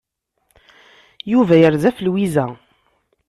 Yuba yerza ɣef Lwiza.